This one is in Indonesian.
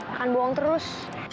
akan bohong terus